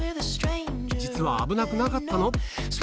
「実は危なくなかったの？」